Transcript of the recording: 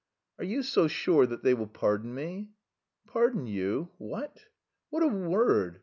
"Are you so sure that they will pardon me?" "Pardon you? What! What a word!